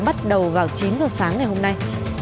bắt đầu vào chín giờ sáng ngày hôm nay